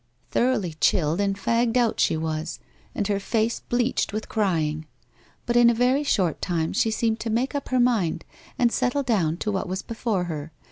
Thor oughly chilled and fagged out she was, and her face bleached with crying. But in a very short time she seemed to make up her mind and settle down to what was before her.